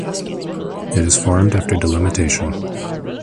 It is formed after Delimitation.